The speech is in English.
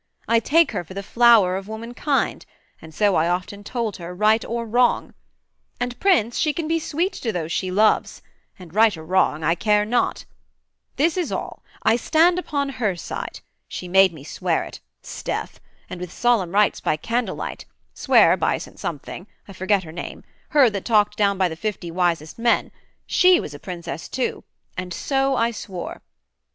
I take her for the flower of womankind, And so I often told her, right or wrong, And, Prince, she can be sweet to those she loves, And, right or wrong, I care not: this is all, I stand upon her side: she made me swear it 'Sdeath and with solemn rites by candle light Swear by St something I forget her name Her that talked down the fifty wisest men; She was a princess too; and so I swore.